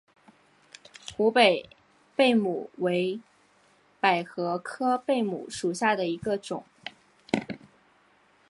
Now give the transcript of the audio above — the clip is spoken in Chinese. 湖北贝母为百合科贝母属下的一个种。